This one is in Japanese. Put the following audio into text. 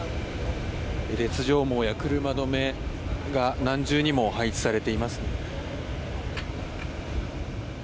鉄条網や車止めが何重にも配置されています。